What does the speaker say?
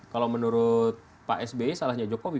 kalau menurut pak sby salahnya jokowi